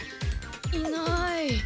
いない。